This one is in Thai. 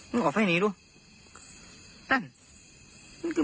อ่าแปลกมั้ยคุณ